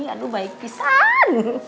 aduh baik pisahan